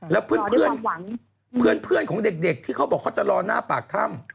แล้วเพื่อนเพื่อนของเด็กที่เขาบอกเขาจะรอหน้าปากถ้ำ